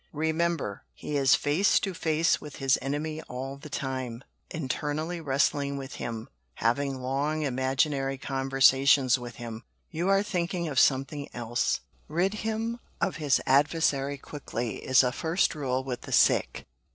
Remember, he is face to face with his enemy all the time, internally wrestling with him, having long imaginary conversations with him. You are thinking of something else. Rid him of his adversary quickly is a first rule with the sick."